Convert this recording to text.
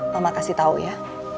mama kasih tau ya